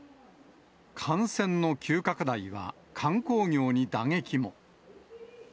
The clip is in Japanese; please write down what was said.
感染の急拡大は観光業に打撃も。